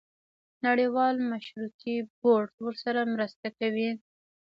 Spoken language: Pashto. نړیوال مشورتي بورډ ورسره مرسته کوي.